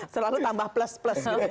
selalu tambah plus plus gitu